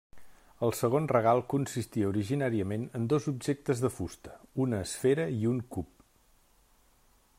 El segon regal consistia originàriament en dos objectes de fusta, una esfera i un cub.